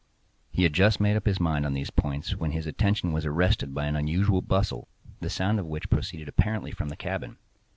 He had just made up his mind on these points when his attention was arrested by an unusual bustle, the sound of which proceeded apparently from the cabin.